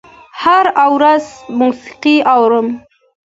هره ورځ موسیقي اورم